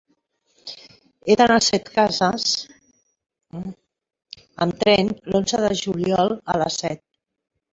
He d'anar a Setcases amb tren l'onze de juliol a les set.